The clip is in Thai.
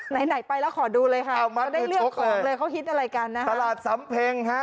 ไหนไปแล้วขอดูเลยค่ะก็ได้เลือกของเลยเขาฮิตอะไรกันนะฮะ